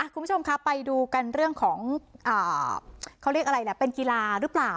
คุณผู้ชมครับไปดูกันเรื่องของเขาเรียกอะไรล่ะเป็นกีฬาหรือเปล่า